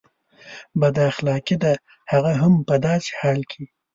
بد اخلاقي ده هغه هم په داسې حال کې.